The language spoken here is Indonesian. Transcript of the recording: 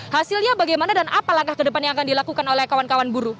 hasilnya bagaimana dan apa langkah kedepannya yang akan dilakukan oleh kawan kawan buruh